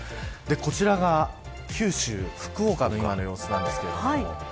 こちらが九州福岡の今の様子です。